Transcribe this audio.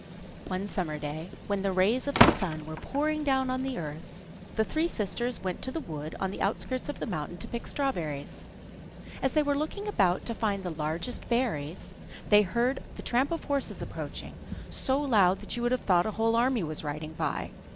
One summer day, when the rays of the sun were pouring down on the earth, the three sisters went to the wood on the outskirts of the mountain to pick strawberries. As they were looking about to find where the largest berries grew they heard the tramp of horses approaching, so loud that you would have thought a whole army was riding by.